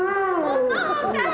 お母さん！